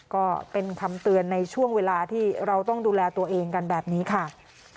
ก็เป็นคำเตือนในช่วงเวลาที่เราต้องดูแลตัวเองกันแบบนี้ค่ะ